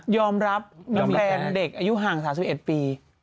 อมรับมีแฟนเด็กอายุห่าง๓๑ปี